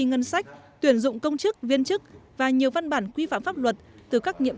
ngân sách tuyển dụng công chức viên chức và nhiều văn bản quy phạm pháp luật từ các nhiệm